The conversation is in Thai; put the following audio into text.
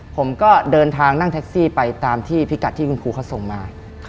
ผมก็เดินทางนั่งแท็กซี่ไปตามที่พิกัดที่คุณครูเขาส่งมา